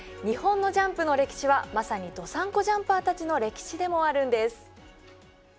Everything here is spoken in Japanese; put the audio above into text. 日本のジャンプの歴史はまさにどさんこジャンパーたちの歴史でもあるんです。